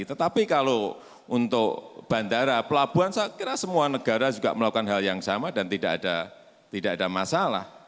tetapi kalau untuk bandara pelabuhan saya kira semua negara juga melakukan hal yang sama dan tidak ada masalah